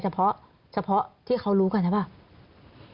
เฉพาะที่เขารู้กันใช่ป่าว